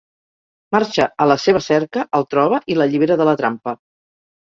Marxa a la seva cerca, el troba i l'allibera de la trampa.